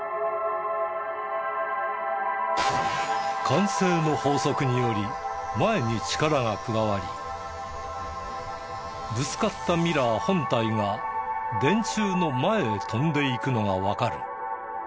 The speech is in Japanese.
慣性の法則により前に力が加わりぶつかったミラー本体は電柱の前へ飛んでいくのがわかる。